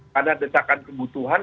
karena detakan kebutuhan